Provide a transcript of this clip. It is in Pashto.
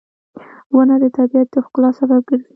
• ونه د طبیعت د ښکلا سبب ګرځي.